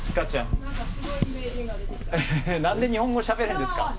何で日本語しゃべれるんですか？